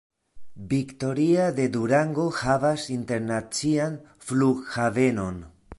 Victoria de Durango havas internacian flughavenon.